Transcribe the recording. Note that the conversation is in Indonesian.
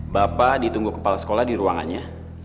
bapak ditunggu kepala sekolah di ruangannya